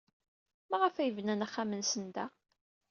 Maɣef ay bnan axxam-nsen da?